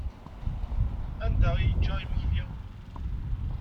Anda ay yečča imekli?